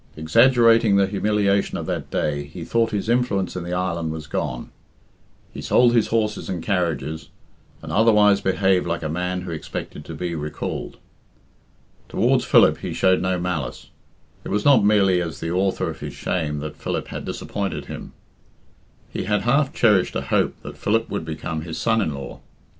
Exaggerating the humiliation of that day, he thought his influence in the island was gone. He sold his horses and carriages, and otherwise behaved like a man who expected to be recalled. Towards Philip he showed no malice. It was not merely as the author of his shame that Philip had disappointed him. He had half cherished a hope that Philip would become his son in law.